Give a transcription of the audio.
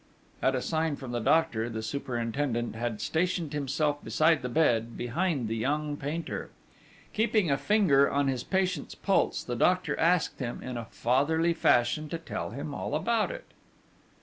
At a sign from the doctor, the superintendent had stationed himself beside the bed, behind the young painter. Keeping a finger on his patient's pulse, the doctor asked him, in a fatherly fashion, to tell him all about it.